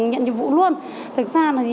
nhận nhiệm vụ luôn thực ra